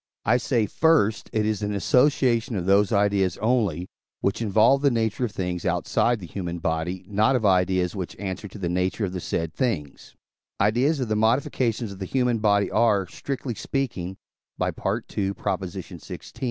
I say, first, it is an association of those ideas only, which involve the nature of things outside the human body: not of ideas which answer to the nature of the said things: ideas of the modifications of the human body are, strictly speaking (II. xvi.)